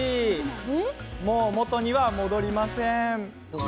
もう元には戻りません。